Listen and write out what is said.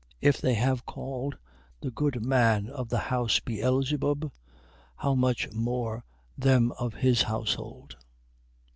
If they have called the good man of the house Beelzebub, how much more them of his household?